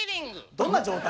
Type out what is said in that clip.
どんな状態？